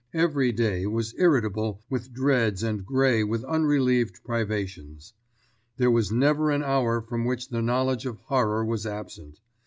Every day was irritable with dreads and gray with unrelieved privations. There was never an hour from which the knowledge of horror was absent.